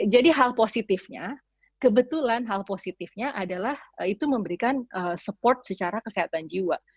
jadi hal positifnya kebetulan hal positifnya adalah itu memberikan support secara kesehatan jiwa